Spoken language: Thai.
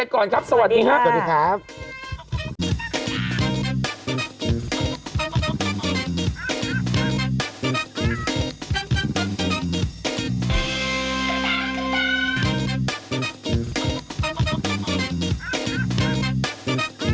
ขอบคุณครับ